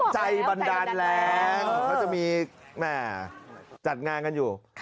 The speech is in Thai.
บันดาลแรงเขาจะมีจัดงานกันอยู่